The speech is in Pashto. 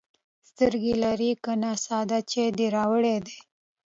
_سترګې لرې که نه، ساده چای دې راوړی دی.